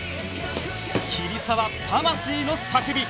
桐沢魂の叫び